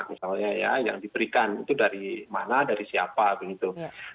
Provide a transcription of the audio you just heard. misalnya ya yang diberikan itu dari mana dari siapa begitu